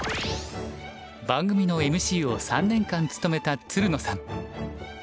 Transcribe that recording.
番組のＭＣを３年間務めたつるのさん。